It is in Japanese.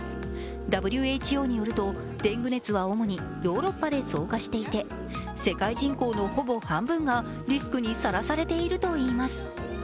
ＷＨＯによると、デング熱は主にヨーロッパで増加していて、世界人口のほぼ半分がリスクにさらされているといいます。